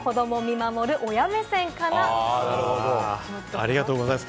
ありがとうございます。